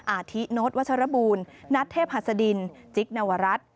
อาทิโน้ตวัชรบูลนัทเทพหัสดินจิ๊กนวรัฐ